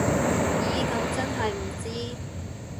咦噉真係唔知